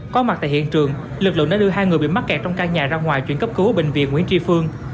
có mặt tại hiện trường lực lượng đã đưa hai người bị mắc kẹt trong căn nhà ra ngoài chuyển cấp cứu bệnh viện nguyễn tri phương